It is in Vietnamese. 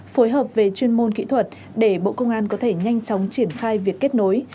phối hợp về chuyên môn kỹ thuật để bộ công an có thể nhanh chóng triển khai việc kết nối